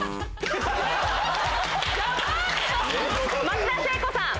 松田聖子さん。